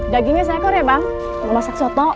dagingnya seekor ya bang mau masak soto